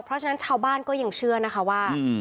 เพราะฉะนั้นชาวบ้านก็ยังเชื่อนะคะว่า